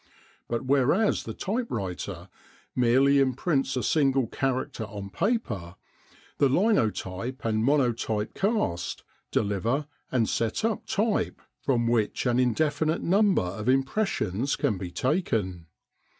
But whereas the typewriter merely imprints a single character on paper, the linotype and monotype cast, deliver, and set up type from which an indefinite number of impressions can be taken.